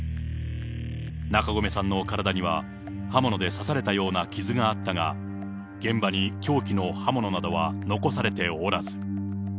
中込さんの体には、刃物で刺されたような傷があったが、現場に凶器の刃物などは残されておらず。